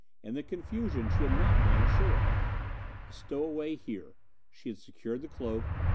In the confusion she had not gone ashore. A stowaway here. She had secured the cloak.